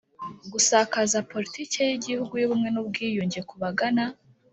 Gusakaza Politiki y Igihugu y Ubumwe n Ubwiyunge ku bagana